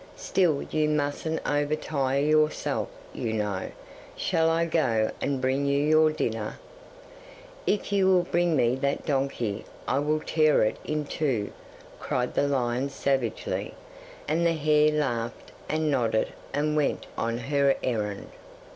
"Still you mustn't overtire yourself, you know. Shall I go and bring you your dinner?" '"If you will bring me that donkey I will tear it in two," cried the lion savagely, and the hare laughed and nodded and went on her errand.